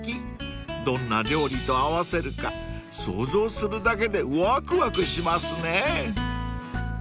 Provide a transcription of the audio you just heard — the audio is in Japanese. ［どんな料理と合わせるか想像するだけでわくわくしますね］